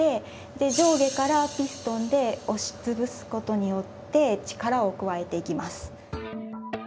上下からピストンで押し潰すことによって力を加えていきます。